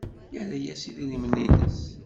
Yerra-as idrimen-nnes.